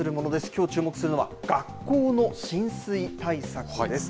きょう注目するのは、学校の浸水対策です。